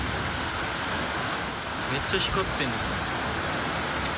めっちゃ光ってるじゃん。